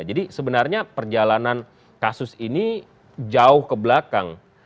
jadi sebenarnya perjalanan kasus ini jauh ke belakang